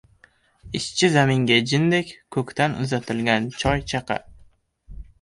Ishchi zaminga jindek, ko‘kdan uzatilgan choy-chaqa.